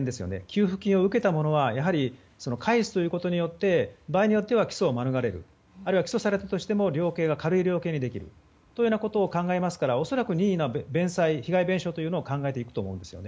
給付金を受けた側が返すことによって場合によっては起訴を免れる。あるいは起訴されたとしても軽い量刑にできるとそういうことを考えますから恐らく任意の弁済、被害弁償を考えていくと思います。